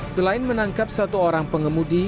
selain menangkap satu orang pengemudi